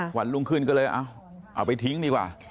วันรุ่งขึ้นก็เลยเอาไปทิ้งดีกว่า